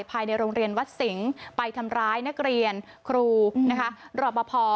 ภายในโรงเรียนวัดสิงห์ไปทำร้ายนักเรียนครูรอปภ